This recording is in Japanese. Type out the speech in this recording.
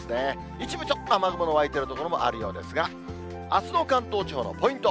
一部ちょっと雨雲の湧いてる所もあるようですが、あすの関東地方のポイント。